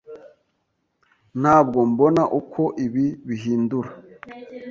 Ntabwo mbona uko ibi bihindura.